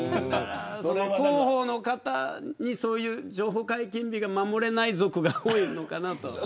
広報の方に情報解禁日が守れない族が多いのかなと。